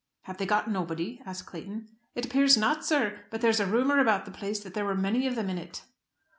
"Have they got nobody?" asked Clayton. "It appears not, sir. But there is a rumour about the place that there were many of them in it."